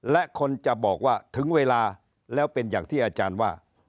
และคนจะบอกว่าถึงเวลาแล้วเป็นอย่างที่อาจารย์ว่า